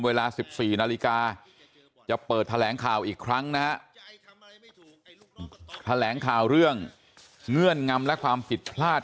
เวลา๑๔นาฬิกาจะเปิดแถลงข่าวอีกครั้งนะฮะแถลงข่าวเรื่องเงื่อนงำและความผิดพลาด